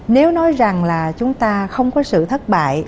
nếu nói rằng là chúng ta không có sự thất bại